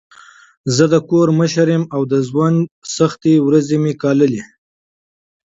زه د کور مشر یم او د ژوند سختې ورځي مې ګاللي.